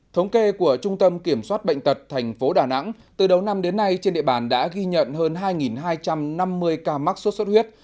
thống kê của trung tâm kiểm soát bệnh tật thành phố đà nẵng từ đầu năm đến nay trên địa bàn đã ghi nhận hơn hai hai trăm năm mươi ca mắc suốt suốt huyết